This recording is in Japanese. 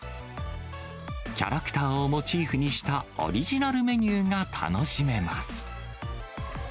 キャラクターをモチーフにしたオリジナルメニューが楽しめます。